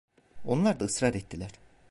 Onlar da ısrar ettiler.